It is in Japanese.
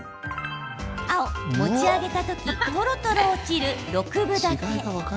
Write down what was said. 青・持ち上げた時とろとろ落ちる、６分立て。